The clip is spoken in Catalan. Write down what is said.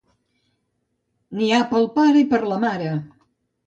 N'hi ha per al pare i per a la mare.